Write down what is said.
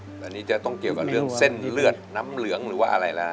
อันนี้จะต้องเกี่ยวกับเรื่องเส้นเลือดน้ำเหลืองหรือว่าอะไรแล้ว